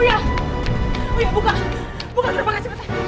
oh iya buka buka gerbangnya cepetan